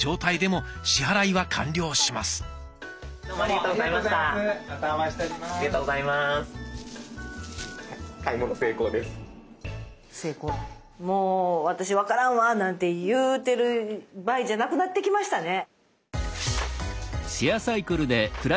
もう私分からんわなんて言うてる場合じゃなくなってきましたね。